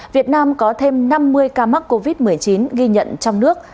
việt nam có thêm năm mươi ca mắc covid một mươi chín ghi nhận trong nước